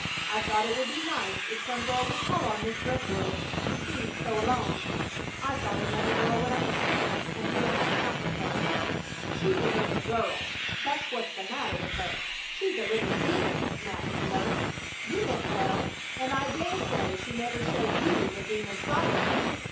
I thought it would be nice if some girl would call on Miss Brentwood; she seemed so alone. I thought another girl would understand and be able to comfort her." "She isn't a girl, that's what's the matter with her; she's a little demon!" snapped the nurse. "You meant well, and I dare say she never showed you the demon side of her.